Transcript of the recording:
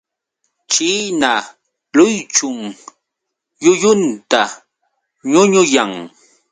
China luychun llullunta ñuñuyan.